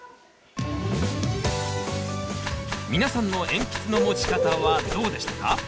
皆さんの鉛筆の持ち方はどうでしたか？